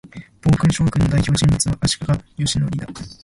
暴君将軍の代表人物は、足利義教だ